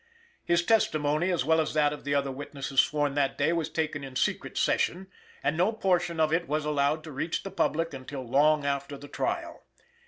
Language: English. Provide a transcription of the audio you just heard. His testimony, as well as that of the other witnesses sworn that day, was taken in secret session, and no portion of it was allowed to reach the public until long after the trial.